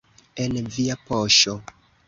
En via poŝo.